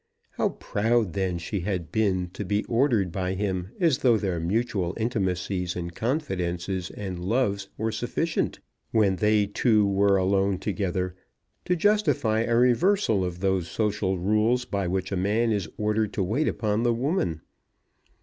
How proud, then, she had been to be ordered by him, as though their mutual intimacies and confidences and loves were sufficient, when they too were alone together, to justify a reversal of those social rules by which the man is ordered to wait upon the woman.